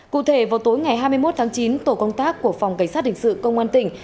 cụ thể vào tối ngày hai mươi một tháng chín tổ công tác của phòng cảnh sát hình sự công an tỉnh